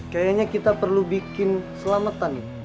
kayaknya kita perlu bikin selamatan nih